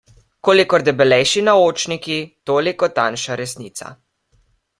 Kolikor debelejši naočniki, toliko tanjša resnica.